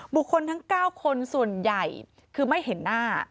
บุคคลทั้ง๙คนส่วนใหญ่คือไม่เห็นหน้า